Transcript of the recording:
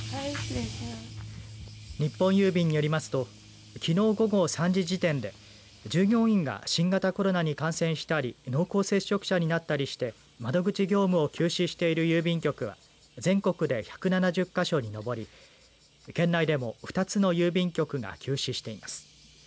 日本郵便によりますときのう午後３時時点で従業員が新型コロナに感染したり濃厚接触者になったりして窓口業務を休止している郵便局は全国で１７０か所に上り県内でも２つの郵便局が休止しています。